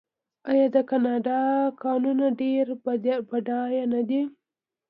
آیا د کاناډا کانونه ډیر بډایه نه دي؟